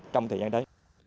trong thời gian đấy